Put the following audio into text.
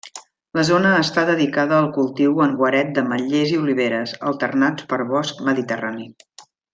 La zona està dedicada al cultiu en guaret d'ametllers i oliveres, alternats per bosc mediterrani.